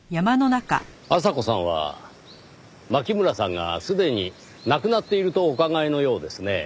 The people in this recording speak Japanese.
阿佐子さんは牧村さんがすでに亡くなっているとお考えのようですねぇ。